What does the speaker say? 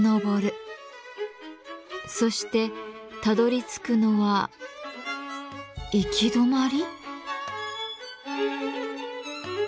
そしてたどりつくのは行き止まり？